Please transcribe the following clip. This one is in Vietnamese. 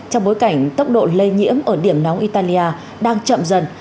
trong bối cảnh tốc độ lây nhiễm ở điểm nóng italia đang chậm dần